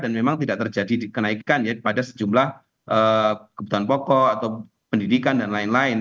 dan memang tidak terjadi kenaikan ya pada sejumlah kebutuhan pokok atau pendidikan dan lain lain